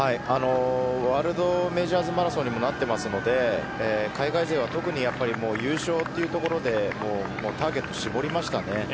ワールドメジャーズマラソンにもなっていますから海外勢は優勝というところでターゲットを絞りました。